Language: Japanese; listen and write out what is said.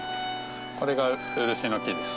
これが漆の木です。